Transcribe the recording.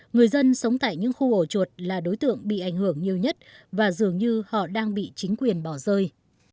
người dân sống tại những khu ổ chuột là đối tượng bị ảnh hưởng nhiều nhất và dường như họ đang bị chính quyền bỏ rơi